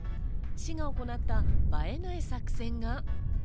市が行った映えない作戦が。